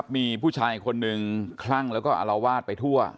มีผู้ชายคนหนึ่งคลั่งแล้วก็อารวาสไปทั่ว